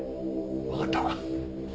わかった。